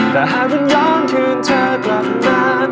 แต่หากมันย้อนคืนเธอกลับมา